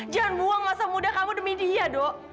jangan buang masa muda kamu demi dia dok